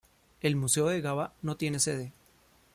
El museo de Gaba no tiene sede.